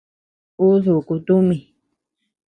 Uu dúkuu tumi.